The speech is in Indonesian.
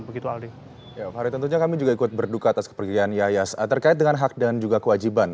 ya fahri tentunya kami juga ikut berduka atas kepergian yayas terkait dengan hak dan juga kewajiban